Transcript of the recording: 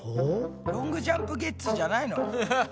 ロングジャンプゲッツじゃないの？